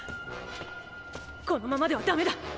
このままではダメだ！